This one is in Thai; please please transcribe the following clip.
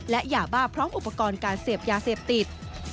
และยาบ้าพร้อมอุปกรณ์การเสพยาเสพติด